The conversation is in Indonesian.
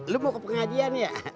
lu mau ke pengajian ya